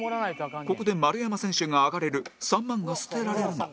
ここで丸山選手がアガれる三萬が捨てられるが